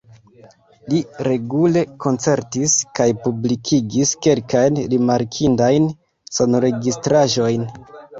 Li regule koncertis kaj publikigis kelkajn rimarkindajn sonregistraĵojn.